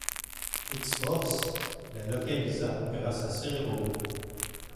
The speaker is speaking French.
X-Force la localisa grâce à Cerebro.